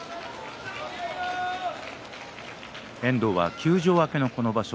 遠藤は休場明けのこの場所